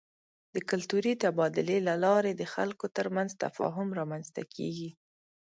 د کلتوري تبادلې له لارې د خلکو ترمنځ تفاهم رامنځته کېږي.